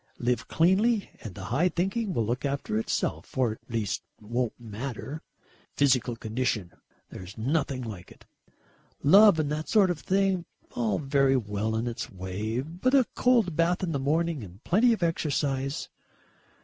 Live cleanly and the high thinking will look after itself or at least won't matter. Physical condition, there's nothing like it. Love and that sort of thing all very well in its way, but a cold bath in the morning and plenty of exercise....